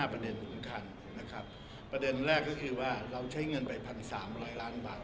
มี๕ประดันคุ้มคันนะครับประเด็นแรกก็คือว่าเราใช้เงินไป๑๓๐๐๐๐๐บาท